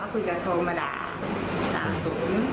คือจะโทรมาด่าสมาสุ